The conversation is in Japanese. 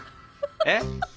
えっ？